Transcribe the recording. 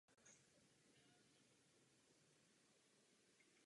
Dále se téměř ve stovce svých esejí zabýval především historickými tématy.